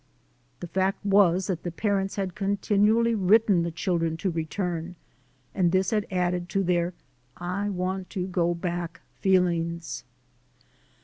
The fact was that the parents had continually written the children to return, and this had added to their I want to go back feelings.